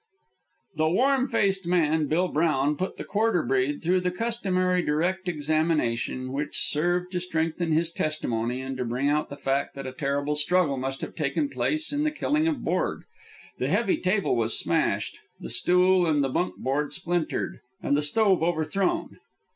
The warm faced man, Bill Brown, put the quarter breed through the customary direct examination, which served to strengthen his testimony and to bring out the fact that a terrible struggle must have taken place in the killing of Borg. The heavy table was smashed, the stool and the bunk board splintered, and the stove over thrown.